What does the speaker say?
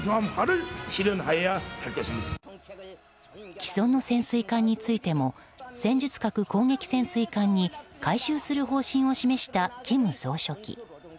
既存の潜水艦についても戦術核攻撃潜水艦に改修する方針を示した金総書記。